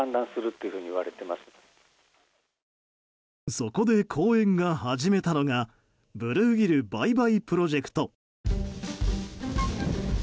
そこで公園が始めたのがブルーギルバイバイプロジェクト。